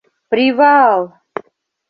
Прива-ал!